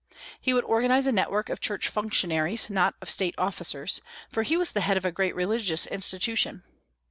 He would organize a network of Church functionaries, not of State officers; for he was the head of a great religious institution.